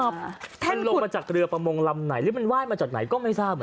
มันลงมาจากเรือประมงลำไหนหรือมันไห้มาจากไหนก็ไม่ทราบ